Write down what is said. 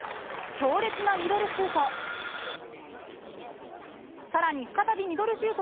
強烈なミドルシュート。